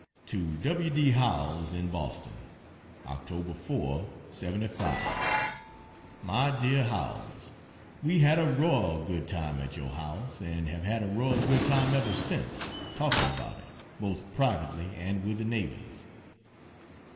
To W. D. Howells, in Boston: Oct. 4, '75. MY DEAR HOWELLS, We had a royal good time at your house, and have had a royal good time ever since, talking about it, both privately and with the neighbors.